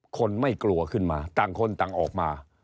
คนไม่กลัวขึ้นมาต่างคนต่างออกมา